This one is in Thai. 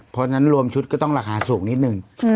พอทั้งนั้นรวมชุดก็ต้องราคาสูงนิดหนึ่ง